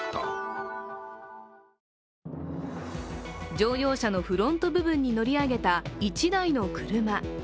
乗用車のフロント部分に乗り上げた１台の車。